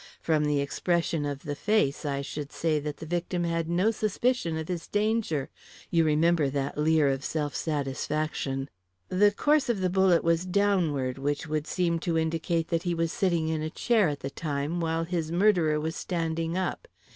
From the expression of the face, I should say that the victim had no suspicion of his danger you remember that leer of self satisfaction. The course of the bullet was downward, which would seem to indicate that he was sitting in a chair at the time, while his murderer was standing up.